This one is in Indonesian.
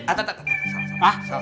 ah tak tak salah salah